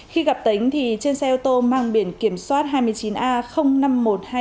khi gặp tính thì trên xe ô tô mang biển kiểm soát hai mươi chín a năm nghìn một trăm hai mươi năm